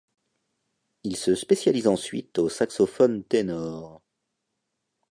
Il se spécialise ensuite au saxophone ténor.